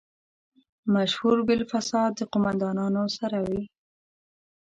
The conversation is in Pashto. مشهور بالفساد قوماندانانو سره وي.